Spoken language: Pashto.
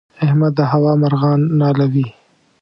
احمد د هوا مرغان نالوي.